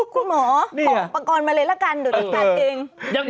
คุณหมอขอบประกอบมาเลยละกันเดี๋ยวตัดตัดกิน